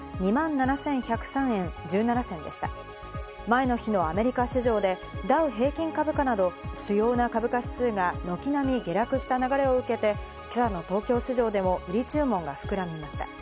前の日のアメリカ市場でダウ平均株価など主要な株価指数が軒並み下落した流れを受けて、今朝の東京市場でも売り注文が膨らみました。